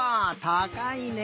たかいね。